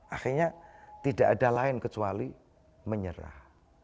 akhirnya tidak ada lain kecuali menyerah